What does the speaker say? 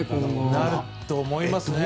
なると思います。